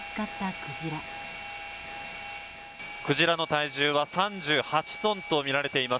クジラの体重は３８トンとみられています。